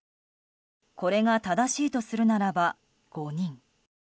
これが正しいとするならば５人。